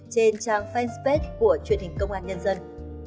trên trang fanpage của truyền hình công an nhân dân